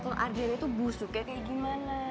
ke adriana tuh busuknya kayak gimana